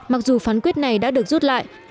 mặc dù phán quyết này đã được rút lại